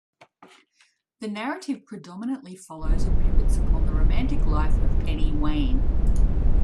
The narrative predominantly follows and pivots upon the romantic life of Penny Wain.